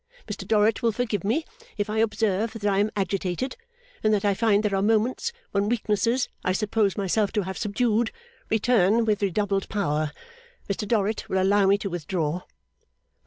Mr Dorrit will forgive me if I observe that I am agitated, and that I find there are moments when weaknesses I supposed myself to have subdued, return with redoubled power. Mr Dorrit will allow me to withdraw.